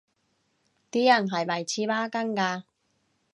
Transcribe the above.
啲人係咪黐孖筋㗎